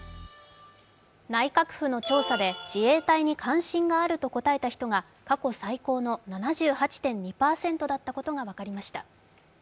内閣府の調査で自衛隊に関心があると答えた人が過去最高の７８．２％だったことが分かりました。